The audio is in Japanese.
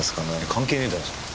関係ねえだろそれ。